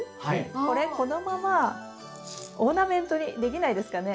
これこのままオーナメントにできないですかね？